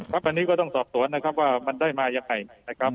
อันนี้ก็ต้องสอบสวนนะครับว่ามันได้มายังไงนะครับ